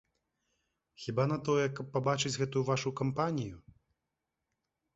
Хіба на тое, каб пабачыць гэтую вашу кампанію?